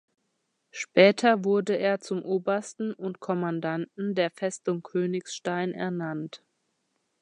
Später wurde er zum Obersten und Kommandanten der Festung Königstein ernannt.